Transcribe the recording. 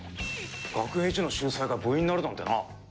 学園一の秀才が部員になるなんてな。